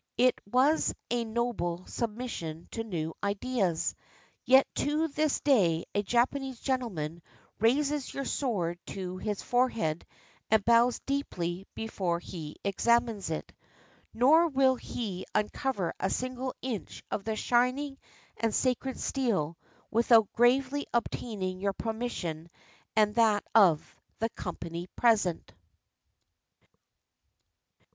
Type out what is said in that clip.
It was a noble submission to new ideas — yet to this day a Japanese gentleman raises your sword to his forehead and bows deeply before he examines it. Nor will he imcover a single inch of the shining and sacred steel without gravely obtaining your permission and that of the company present.